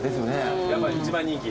やっぱり一番人気？